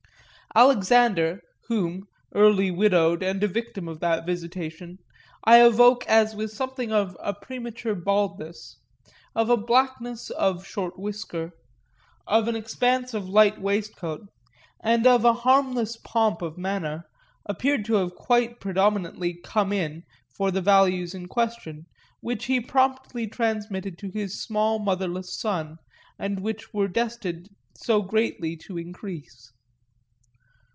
Alexander, whom, early widowed and a victim of that visitation, I evoke as with something of a premature baldness, of a blackness of short whisker, of an expanse of light waistcoat and of a harmless pomp of manner, appeared to have quite predominantly "come in" for the values in question, which he promptly transmitted to his small motherless son and which were destined so greatly to increase.